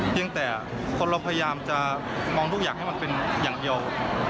แต่คนเราพยายามจะมองทุกอย่างให้มันเป็นอย่างเดียว